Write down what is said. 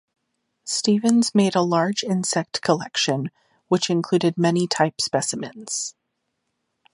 Stephens made a large insect collection, which included many type specimens.